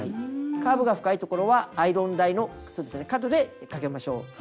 カーブが深いところはアイロン台のそうですね角でかけましょう。